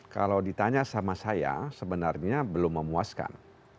kalau ditanya sama saya sebenarnya belum memuaskan